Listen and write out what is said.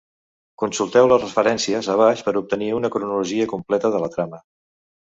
Consulteu les referencies abaix per obtenir una cronologia completa de la trama.